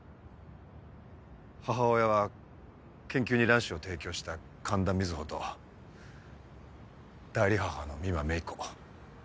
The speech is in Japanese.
母親は研究に卵子を提供した神田水帆と代理母の美馬芽衣子。